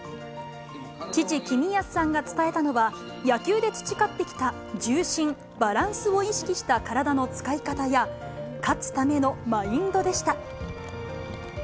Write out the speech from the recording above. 父、公康さんが伝えたのは、野球で培ってきた重心、バランスを意識した体の使い方や、勝つためのマインドでした。